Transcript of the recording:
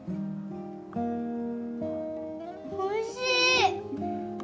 おいしい！